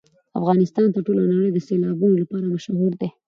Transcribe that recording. افغانستان په ټوله نړۍ کې د سیلابونو لپاره مشهور دی.